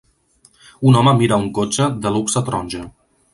Un home mira a un cotxe de luxe taronja.